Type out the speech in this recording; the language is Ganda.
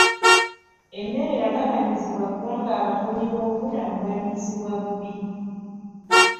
Emmere yagabanyizibwa kubanga abanoonyi b'obubudamu baliisibwa bubi.